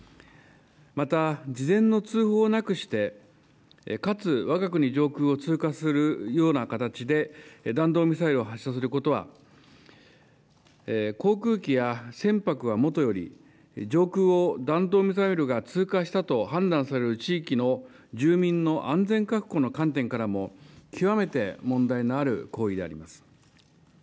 また事前の通報なくして、かつわが国上空を通過するような形で弾道ミサイルを発射することは、航空機や船舶はもとより、上空を弾道ミサイルが通過したと判断される地域の住民の安全確保の観点からも、極めて問題のある行為であります。